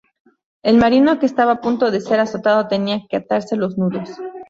El marino que estaba a punto de ser azotado tenía que atarse los nudos.